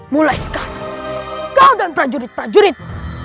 mulai sekarang kau dan prajurit prajurit